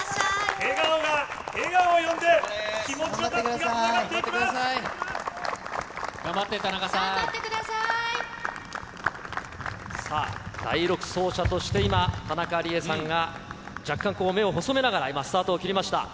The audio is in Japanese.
笑顔が笑顔を呼んで気持ちの頑張って、田中さん。さあ、第６走者として今、田中理恵さんが、若干目を細めながらスタートを切りました。